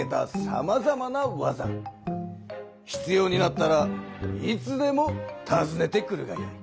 ひつようになったらいつでもたずねてくるがよい。